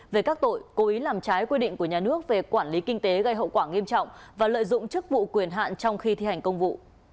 về các tội cố ý làm trái quy định của nhà nước về quản lý kinh tế gây hậu quả nghiêm trọng và lợi dụng chức vụ quyền hạn trong khi thi hành công vụ